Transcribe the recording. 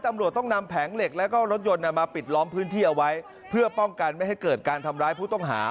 ตำรวจต้องนำแผงเหล็กแล้วก็รถยนต์มาปิดล้อมพื้นที่เอาไว้เพื่อป้องกันไม่ให้เกิดการทำร้ายผู้ต้องหา